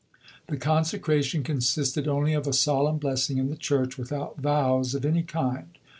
The "consecration" consisted only of "a solemn blessing in the Church, without vows of any kind."